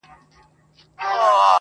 هر څه چي راپېښ ســولـــــه.